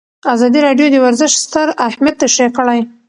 ازادي راډیو د ورزش ستر اهميت تشریح کړی.